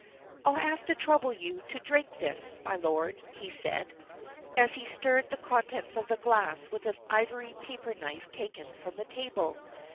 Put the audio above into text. "I'll have to trouble you to drink this, my lord," he said, as he stirred the contents of the glass with an ivory paper knife taken from the table.